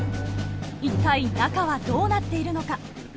一体中はどうなっているのか。